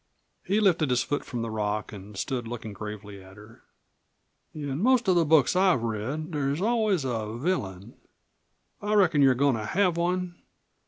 He lifted his foot from the rock and stood looking gravely at her. "In most of the books I have read there's always a villain. I reckon you're goin' to have one?"